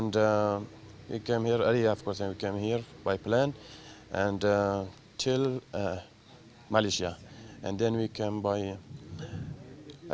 dan kami datang dari area tentu saja kami datang dari kapal